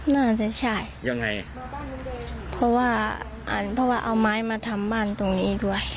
น่าจะใช่ยังไงเพราะว่าอันเพราะว่าเอาไม้มาทำบ้านตรงนี้ด้วย